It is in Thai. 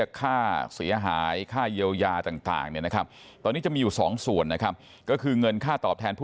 ครอบครัวไม่ได้อาฆาตแต่มองว่ามันช้าเกินไปแล้วที่จะมาแสดงความรู้สึกในตอนนี้